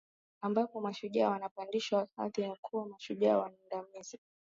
ambapo mashujaa wanapandishwa hadhi ya kuwa mashujaa waandamizi